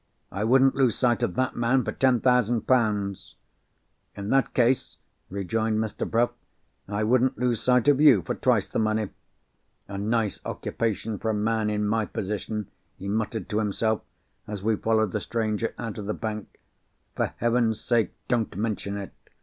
"I wouldn't lose sight of that man for ten thousand pounds!" "In that case," rejoined Mr. Bruff, "I wouldn't lose sight of you, for twice the money. A nice occupation for a man in my position," he muttered to himself, as we followed the stranger out of the bank. "For Heaven's sake don't mention it.